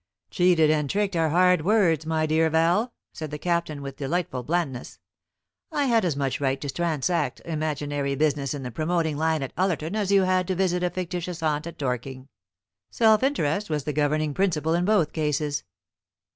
"Cheated and tricked are hard words, my dear Val," said the Captain, with delightful blandness. "I had as much right to transact imaginary business in the promoting line at Ullerton as you had to visit a fictitious aunt at Dorking. Self interest was the governing principle in both cases.